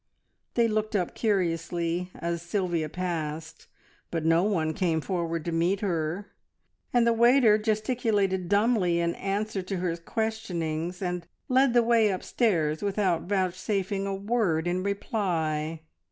They looked up curiously as Sylvia passed, but no one came forward to meet her, and the waiter gesticulated dumbly in answer to her questionings, and led the way upstairs without vouchsafing a word in reply.